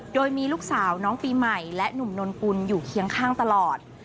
โดยมีลูกสาวน้องปีใหม่และหนุ่มนนกุลอยู่เคียงข้างตลอด